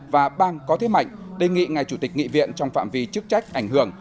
và bang có thế mạnh đề nghị ngài chủ tịch nghị viện trong phạm vi chức trách ảnh hưởng